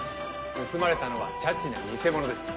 盗まれたのはちゃちな偽物です。